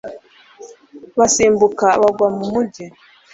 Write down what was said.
basimbuka bagwa mu mugi